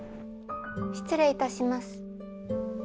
失礼いたします。